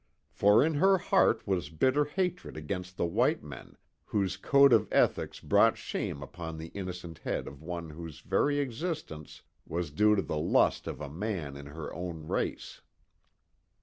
For in her heart was bitter hatred against the white men, whose code of ethics brought shame upon the innocent head of one whose very existence was due to the lust of a man of their own race.